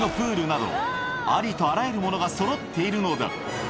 などありとあらゆるものがそろっているのだ